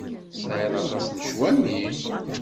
Tesɛiḍ aṭas n ccwami?